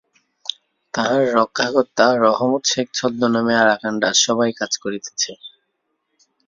তাহার রক্ষাকর্তা রহমত শেখ ছদ্মনামে আরাকান রাজসভায় কাজ করিতেছে।